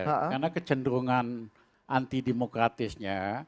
karena kecenderungan anti demokratisnya